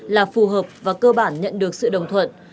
là phù hợp và cơ bản nhận được sự đồng thuận